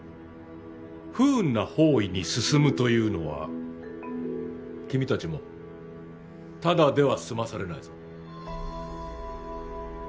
不運な方位に進むというのは君たちもただでは済まされないぞ。